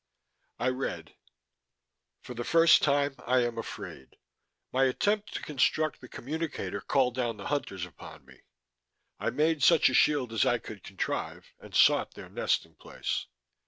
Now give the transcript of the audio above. I read: _For the first time, I am afraid. My attempt to construct the communicator called down the Hunters upon me. I made such a shield as I could contrive, and sought their nesting place.